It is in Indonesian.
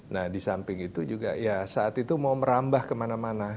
nah di samping itu juga ya saat itu mau merambah kemana mana